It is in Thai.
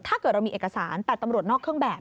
ถ้าเกิดเรามีเอกสารแต่ตำรวจนอกเครื่องแบบ